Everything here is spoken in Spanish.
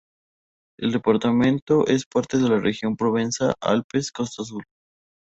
El departamento es parte de la región Provenza-Alpes-Costa Azul.